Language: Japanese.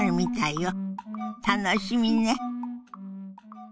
楽しみね。